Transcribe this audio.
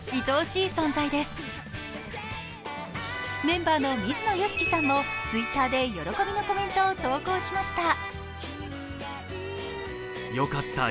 メンバーの水野良樹さんもＴｗｉｔｔｅｒで喜びのコメントを投稿しました。